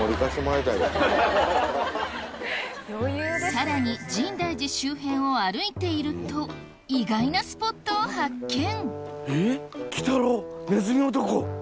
さらに深大寺周辺を歩いていると意外なスポットを発見